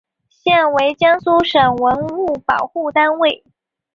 现为江苏省文物保护单位。